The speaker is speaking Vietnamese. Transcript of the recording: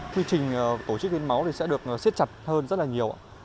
quy trình tổ chức hiến máu sẽ được xếp chặt hơn rất là nhiều